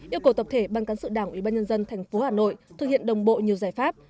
yêu cầu tập thể ban cán sự đảng ủy ban nhân dân tp hà nội thực hiện đồng bộ nhiều giải pháp